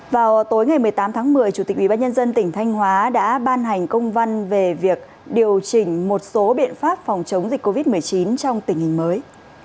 vào tối ngày một mươi tám tháng một mươi chủ tịch ubnd tỉnh thanh hóa đã ban hành công văn về việc điều chỉnh một số biện pháp phòng chống dịch covid một mươi chín trong tình hình mới